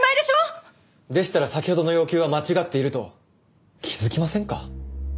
でしたら先ほどの要求は間違っていると気づきませんか？